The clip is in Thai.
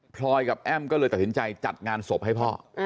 พลอยกับแอ้มก็เลยตัดสินใจจัดงานศพให้พ่อ